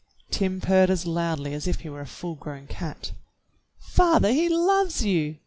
Tim purred as loudly as if he were a full grown cat. "Father, he loves you!"